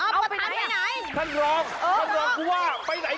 เอ้าประธานไปไหน